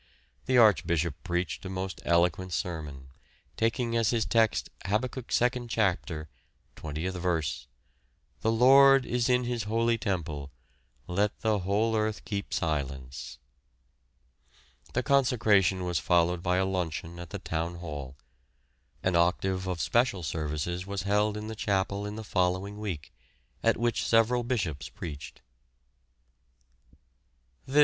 The Archbishop preached a most eloquent sermon, taking as his text: Habakkuk 2nd chapter, 20th verse, "The Lord is in his holy temple: let the whole earth keep silence." The consecration was followed by a luncheon at the Town Hall. An octave of special services was held in the chapel in the following week, at which several bishops preached.